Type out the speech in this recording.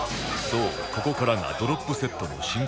そうここからがドロップセットの真骨頂